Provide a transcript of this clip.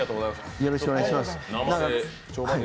よろしくお願いします。